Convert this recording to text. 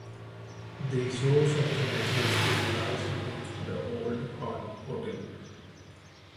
The source of the natural spring lies beneath the Old Hall Hotel.